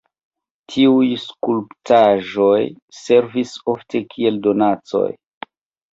Tiuj skulptaĵoj servis ofte kiel donacoj.